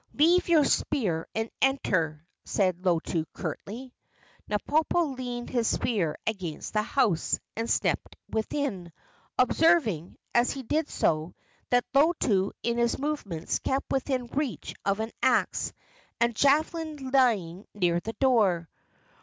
"Leave your spear and enter," said Lotu, curtly. Napopo leaned his spear against the house and stepped within, observing, as he did so, that Lotu in his movements kept within reach of an axe and javelin lying near the door.